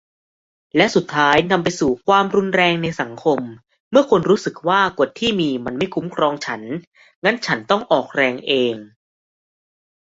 และสุดท้ายนำไปสู่ความรุนแรงในสังคม เมื่อคนรู้สึกว่ากฎที่มีมันไม่คุ้มครองฉัน งั้นฉันต้องออกแรงเอง